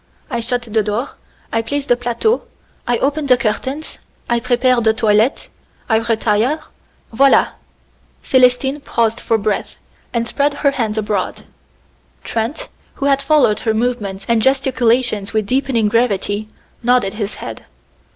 I shut the door. I place the plateau I open the curtains I prepare the toilette I retire voilà!" Célestine paused for breath, and spread her hands abroad. Trent, who had followed her movements and gesticulations with deepening gravity, nodded his head.